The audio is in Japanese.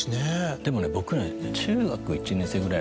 でもね僕ね。